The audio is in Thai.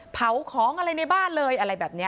เผาของอะไรในบ้านเลยอะไรแบบนี้